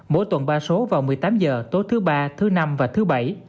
mỗi tuần ba số vào một mươi tám h tối thứ ba thứ năm và thứ bảy